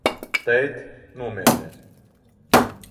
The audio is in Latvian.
Tēt, nomierinies!